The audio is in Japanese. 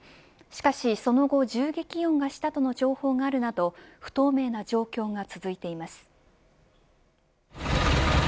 しかしその後、銃撃音がしたとの情報があるなど不透明な状況が続いています。